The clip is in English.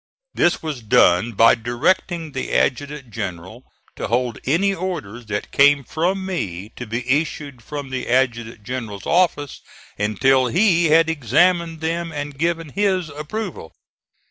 This was done by directing the adjutant general to hold any orders that came from me to be issued from the adjutant general's office until he had examined them and given his approval.